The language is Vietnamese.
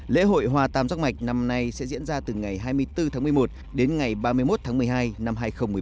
lễ hội hoa tam giác mạch năm nay sẽ diễn ra từ ngày hai mươi bốn tháng một mươi một đến ngày ba mươi một tháng một mươi hai năm hai nghìn một mươi chín